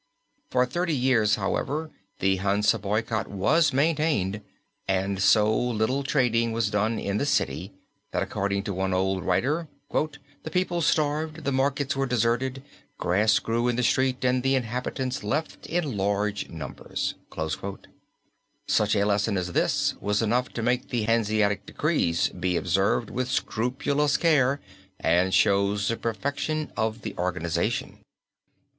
For 30 years. however, the Hansa boycott was maintained and so little trading was done in the city that according to one old writer "the people starved, the markets were deserted, grass grew in the street and the inhabitants left in large numbers." Such a lesson as this was enough to make the Hanseatic decrees be observed with scrupulous care and shows the perfection of the organization.